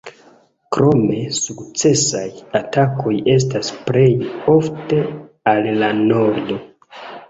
Krome, sukcesaj atakoj estas plej ofte al la nordo.